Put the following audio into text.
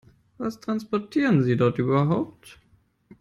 Was transportieren Sie dort überhaupt?